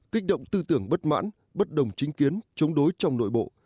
kích động tư tưởng bất mãn bất đồng chính kiến chống đối trong nội bộ